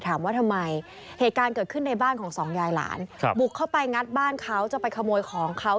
ถามว่าทำไมเหตุการณ์เกิดขึ้นในบ้านของสองยายหลานบุกเข้าไปงัดบ้านเขาจะไปขโมยของเขา